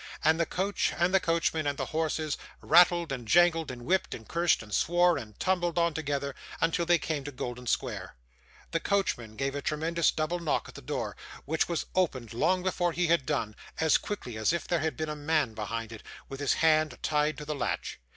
And the coach, and the coachman, and the horses, rattled, and jangled, and whipped, and cursed, and swore, and tumbled on together, until they came to Golden Square. The coachman gave a tremendous double knock at the door, which was opened long before he had done, as quickly as if there had been a man behind it, with his hand tied to the latch.